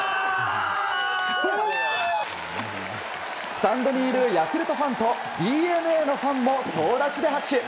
スタンドにいるヤクルトファンとＤｅＮＡのファンも総立ちで拍手。